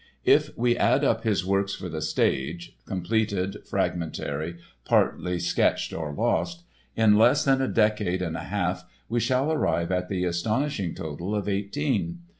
If we add up his works for the stage—completed, fragmentary, partly sketched or lost—in less than a decade and a half we shall arrive at the astonishing total of eighteen.